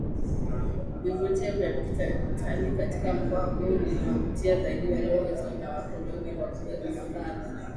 vivutio vya kitalii katika mkoa huu viliwavutia zaidi walowezi na wakoloni na kuweka makazi